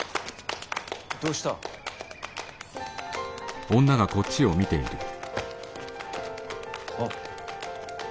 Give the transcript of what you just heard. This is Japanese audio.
どうした？あっ。